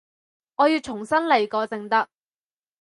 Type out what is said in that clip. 我要重新來過正得